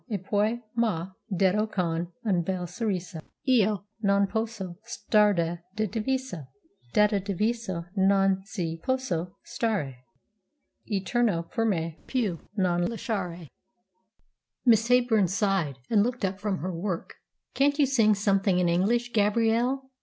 E poi m'ha detto con un bel sorriso; Io no, non posso star da te diviso, Da te diviso non ci posso stare E torno per mai pin non ti lasciare. Miss Heyburn sighed, and looked up from her work. "Can't you sing something in English, Gabrielle?